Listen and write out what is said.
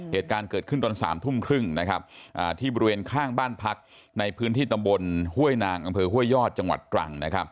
เหตุการณ์เกิดขึ้นตอน๓ทุ่มครึ่งที่บริเวณข้างบ้านพักในพื้นที่ตำบลห้วยนางอำเภอห้วยยอดจังหวัดตรัง